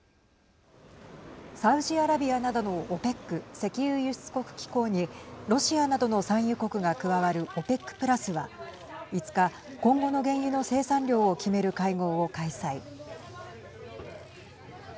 サウジアラビアなどのＯＰＥＣ＝石油輸出国機構にロシアなどの産油国が加わるＯＰＥＣプラスは５日今後の原油の生産量を決める会合を開催。